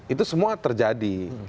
itu semua terjadi